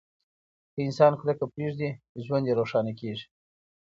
که انسان کرکه پریږدي، ژوند یې روښانه کیږي.